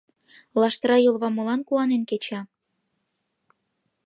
Лаштыра йолва молан куанен кеча?